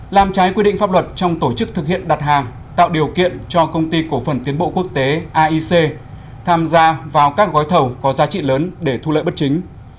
làm trái quy định pháp luật trong tổ chức thực hiện đặt hàng tạo điều kiện cho công ty cổ phần tiến bộ quốc tế aic tham gia vào các gói thầu có giá trị lớn để thu lợi bất chính